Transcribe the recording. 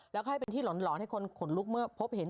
แล้วก็ให้เป็นที่หลอนให้คนขนลุกเมื่อพบเห็น